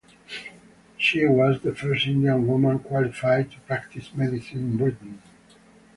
She was the first Indian woman qualified to practice medicine in Britain.